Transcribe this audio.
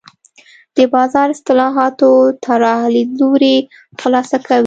د بازار اصلاحاتو طراح لیدلوری خلاصه کوي.